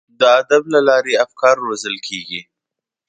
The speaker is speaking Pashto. د ادب له لارې افکار روزل کیږي.